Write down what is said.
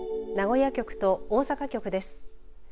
名古屋局と大阪局です。